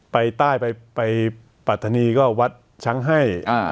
ไปใต้ไปปัฒนีก็วัดชั้งให้